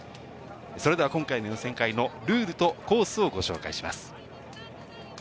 それでは今回の予選会のルールとコースをご紹介します。